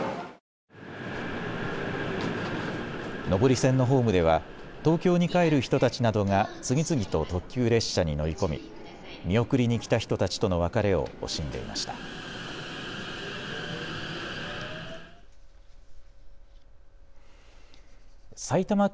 上り線のホームでは東京に帰る人たちなどが次々と特急列車に乗り込み見送りに来た人たちとの別れを惜しんでいました。